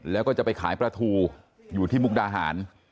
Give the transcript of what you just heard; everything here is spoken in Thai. แล้วก็จะไปขายปลาทูอยู่ที่มุกดาหาร